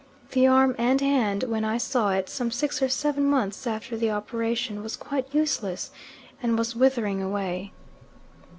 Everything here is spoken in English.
The arm and hand when I saw it, some six or seven months after the operation, was quite useless, and was withering away.